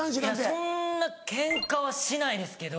そんなケンカはしないですけど。